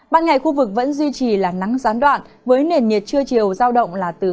ban ngày khu vực vẫn duy trì là nắng gián đoạn với nền nhiệt trưa chiều giao động là từ ba mươi một đến ba mươi năm độ